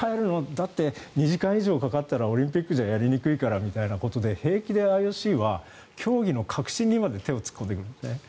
だって、２時間以上かかったらオリンピックじゃやりにくいからということで平気でＩＯＣは競技の核心にまで手を突っ込んでくるんですね。